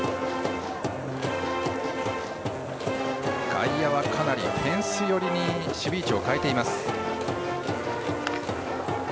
外野はかなりフェンス寄りに守備位置を変えています。